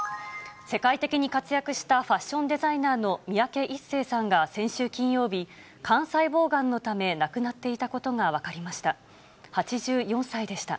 世界的に活躍したファッションデザイナーの三宅一生さんが先週金曜日、肝細胞がんのため、亡くなっていたことが分かりました。